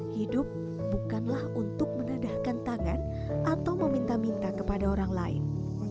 hidup bukanlah untuk menedahkan tangan atau meminta minta kepada orang lain